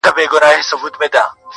هغه چنار ته د مرغیو ځالګۍ نه راځي!